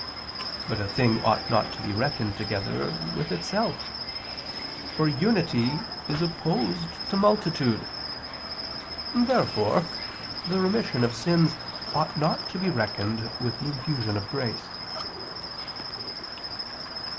But a thing ought not to be reckoned together with itself; for unity is opposed to multitude. Therefore the remission of sins ought not to be reckoned with the infusion of grace.